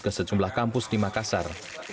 kecamatan di makassar